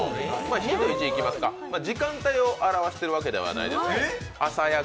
ヒント１いきますか、時間帯を表してるわけではないです。